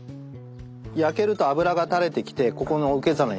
焼けると脂がたれてきてここの受け皿にたまる。